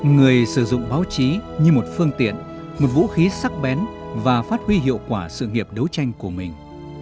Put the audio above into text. người sử dụng báo chí như một phương tiện một vũ khí sắc bén và phát huy hiệu quả sự nghiệp đấu tranh của mình